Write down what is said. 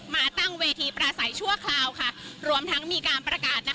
มาตั้งเวทีประสัยชั่วคราวค่ะรวมทั้งมีการประกาศนะคะ